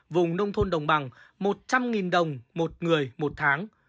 vùng nông thôn đồng bằng một trăm linh đồng một người một tháng